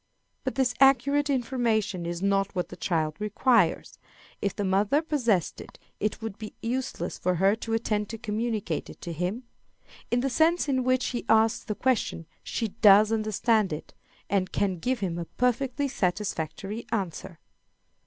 But this accurate information is not what the child requires. If the mother possessed it, it would be useless for her to attempt to communicate it to him. In the sense in which he asks the question she does understand it, and can give him a perfectly satisfactory answer.